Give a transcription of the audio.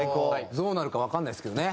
どうなるかわかんないですけどね。